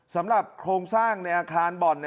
สำหรับโครงสร้างในอาคารบอล